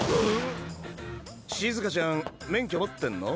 シズカちゃん免許持ってんの？